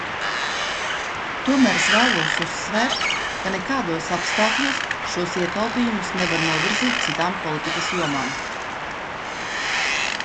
Tomēr es vēlos uzsvērt, ka nekādos apstākļos šos ietaupījumus nevar novirzīt citām politikas jomām.